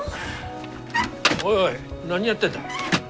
おいおい何やってんだ？